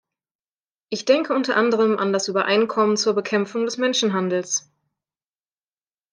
Ich denke unter anderem an das Übereinkommen zur Bekämpfung des Menschenhandels.